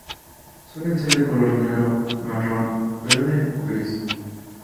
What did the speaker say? Suelen ser de color negro, marrón, verde o gris.